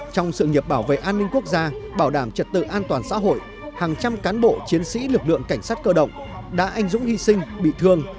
tự an toàn xã hội hàng trăm cán bộ chiến sĩ lực lượng cảnh sát cơ động đã anh dũng hy sinh bị thương